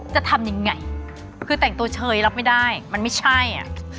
จะทำยังไงคือแต่งตัวเชยรับไม่ได้มันไม่ใช่อ่ะ